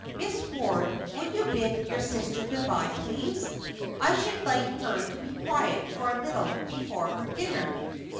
Miss Ward, will you bid your sister good bye, please? I should like her to be quiet for a little before her dinner."